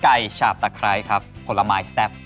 กัยฉาบตะไครครับกับธรรมายแซ่บ